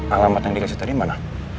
alamat yang dikasih tadi mana